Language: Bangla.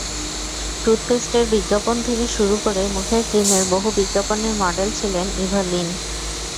টুথপেস্টের বিজ্ঞাপন থেকে শুরু করে মুখের ক্রিমের বহু বিজ্ঞাপনের মডেল ছিলেন ইভলিন।